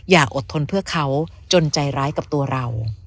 อย่าอดทนเพื่อเขาจนใจร้ายกับตัวเรา